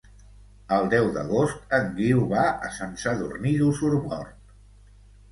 El deu d'agost en Guiu va a Sant Sadurní d'Osormort.